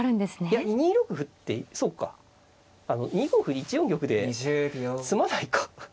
いや２六歩ってそうか２五歩１四玉で詰まないか。